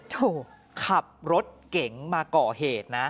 โถ่ขับรถเก่งมาเกาะเหตุนะ